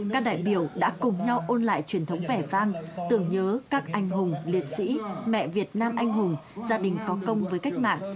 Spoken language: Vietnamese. các đại biểu đã cùng nhau ôn lại truyền thống vẻ vang tưởng nhớ các anh hùng liệt sĩ mẹ việt nam anh hùng gia đình có công với cách mạng